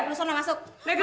masak masak boket